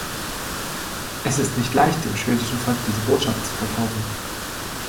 Es ist nicht leicht, dem schwedischen Volk diese Botschaft zu verkaufen.